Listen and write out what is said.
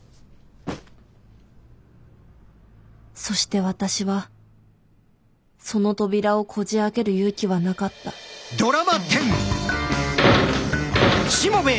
そして私はその扉をこじ開ける勇気はなかったじゃ天野。